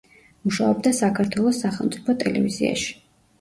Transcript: მუშაობდა საქართველოს სახელმწიფო ტელევიზიაში.